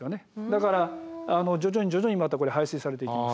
だから徐々に徐々にまたこれ排水されていきます。